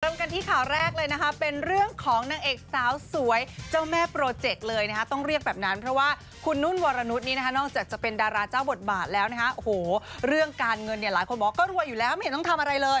เริ่มกันที่ข่าวแรกเลยนะคะเป็นเรื่องของนางเอกสาวสวยเจ้าแม่โปรเจกต์เลยนะคะต้องเรียกแบบนั้นเพราะว่าคุณนุ่นวรนุษย์นี้นะคะนอกจากจะเป็นดาราเจ้าบทบาทแล้วนะคะโอ้โหเรื่องการเงินเนี่ยหลายคนบอกว่าก็รวยอยู่แล้วไม่เห็นต้องทำอะไรเลย